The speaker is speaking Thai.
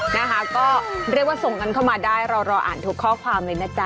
นะคะก็เรียกว่าส่งกันเข้ามาได้เรารออ่านทุกข้อความเลยนะจ๊ะ